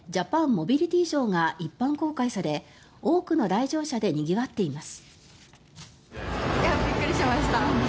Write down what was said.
モビリティショーが一般公開され多くの来場者でにぎわっています。